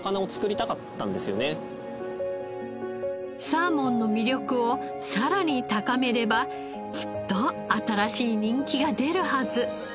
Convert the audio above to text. サーモンの魅力をさらに高めればきっと新しい人気が出るはず。